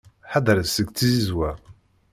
Ḥadret seg tzizwa.